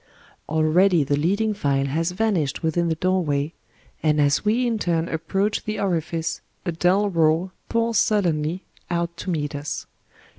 Already the leading file has vanished within the doorway, and as we in turn approach the orifice a dull roar pours sullenly out to meet us.